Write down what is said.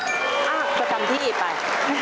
ประจำที่ไป